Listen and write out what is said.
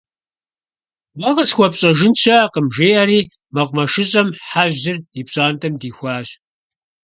Уэ къысхуэпщӀэжын щыӀэкъым, - жиӀэри МэкъумэшыщӀэм Хьэжьыр ипщӀантӀэм дихуащ.